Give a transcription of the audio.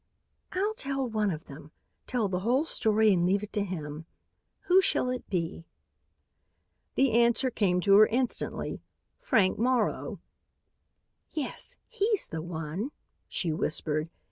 "I'll tell one of them; tell the whole story and leave it to him. Who shall it be?" The answer came to her instantly: Frank Morrow. "Yes, he's the one," she whispered.